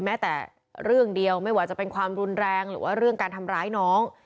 แม้แต่เรื่องเดียวไม่ว่าจะเป็นความรุนแรงหรือว่าเรื่องการทำร้ายน้อง